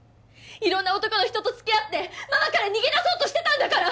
いろんな男の人と付き合ってママから逃げ出そうとしてたんだから！